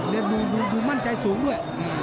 ดูมั่นใจสูงด้วย